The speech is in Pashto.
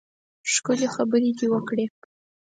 ښکلې خبرې دې وکړې.